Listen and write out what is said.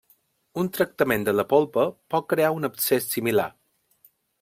Un tractament de la polpa pot crear un abscés similar.